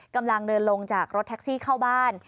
กำลังเดินลงจากรถแท็กซี่เข้าบ้าน